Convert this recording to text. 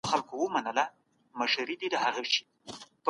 څېړونکی باید هیڅکله له خپل کار څخه سترګي پټې نه کړي.